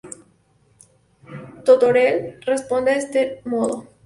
Totoral responde a este modo.